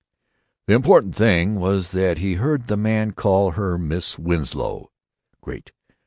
The important thing was that he heard the man call her "Miss Winslow." "Great!